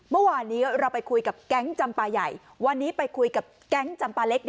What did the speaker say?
เมื่อวานนี้เราไปคุยกับแก๊งจำปลาใหญ่วันนี้ไปคุยกับแก๊งจำปาเล็ก